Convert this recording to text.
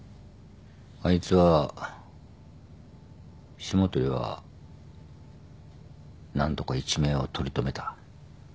あいつは霜鳥は何とか一命を取り留めた。